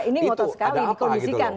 ini ngotot sekali dikondisikan gitu ya